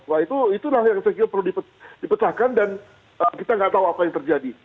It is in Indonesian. wah itulah yang saya kira perlu dipecahkan dan kita nggak tahu apa yang terjadi